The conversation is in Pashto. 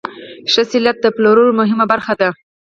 ښه سلیت د پلور مهمه برخه ده.